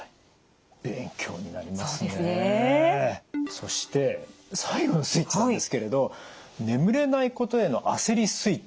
そして最後のスイッチなんですけれど眠れないことへの焦りスイッチ